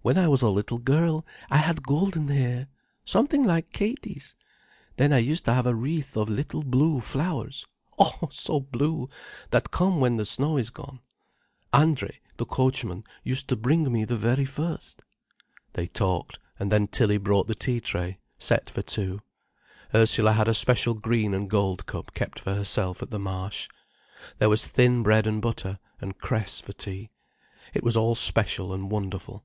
"When I was a little girl, I had golden hair, something like Katie's. Then I used to have a wreath of little blue flowers, oh, so blue, that come when the snow is gone. Andrey, the coachman, used to bring me the very first." They talked, and then Tilly brought the tea tray, set for two. Ursula had a special green and gold cup kept for herself at the Marsh. There was thin bread and butter, and cress for tea. It was all special and wonderful.